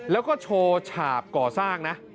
แล้วก็โฉ่บก่อซากนะ